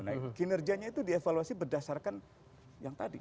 nah kinerjanya itu dievaluasi berdasarkan yang tadi